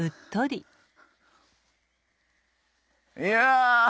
いや！